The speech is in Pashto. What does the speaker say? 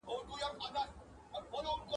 سمدستي یې سوه تېره چاړه تر غاړه !.